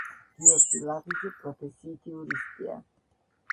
გიორგი ლაღიძე პროფესიით იურისტია.